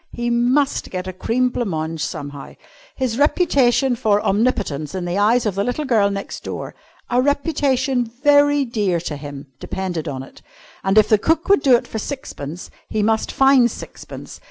He must get a cream blanc mange somehow. His reputation for omnipotence in the eyes of the little girl next door a reputation very dear to him depended on it. And if cook would do it for sixpence, he must find sixpence.